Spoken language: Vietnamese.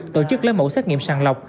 tổ chức lấy mẫu xét nghiệm sàng lọc